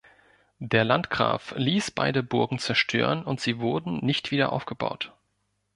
Der Landgraf ließ beide Burgen zerstören und sie wurden nicht wieder aufgebaut.